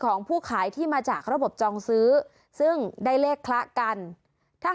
ของผู้ขายที่มาจากระบบจองซื้อซึ่งได้เลขคละกันถ้า